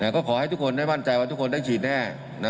ก็ขอให้ทุกคนได้มั่นใจว่าทุกคนได้ฉีดแน่